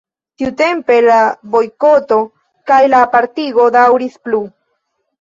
Tiutempe la bojkoto kaj la apartigo daŭris plu.